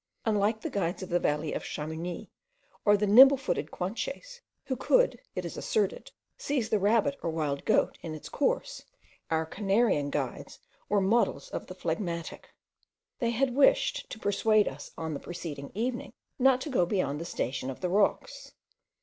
Unlike the guides of the valley of Chamouni, or the nimble footed Guanches, who could, it is asserted, seize the rabbit or wild goat in its course, our Canarian guides were models of the phlegmatic. They had wished to persuade us on the preceding evening not to go beyond the station of the rocks.